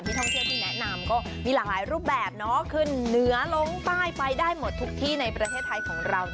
แนะนำก็มีหลายรูปแบบขึ้นเหนือลงใต้ไปได้หมดทุกที่ในประเทศไทยของเรา